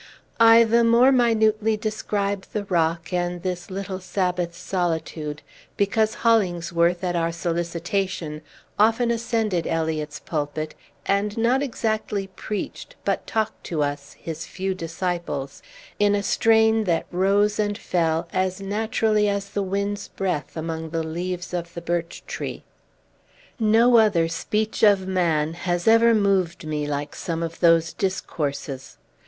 I the more minutely describe the rock, and this little Sabbath solitude, because Hollingsworth, at our solicitation, often ascended Eliot's pulpit, and not exactly preached, but talked to us, his few disciples, in a strain that rose and fell as naturally as the wind's breath among the leaves of the birch tree. No other speech of man has ever moved me like some of those discourses.